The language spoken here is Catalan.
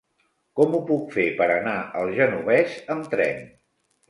Com ho puc fer per anar al Genovés amb tren?